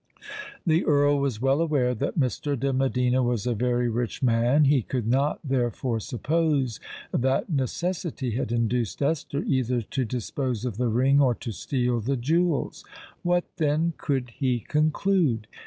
The Earl was well aware that Mr. de Medina was a very rich man: he could not therefore suppose that necessity had induced Esther either to dispose of the ring or to steal the jewels. What, then, could he conclude?